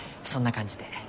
そんな感じで。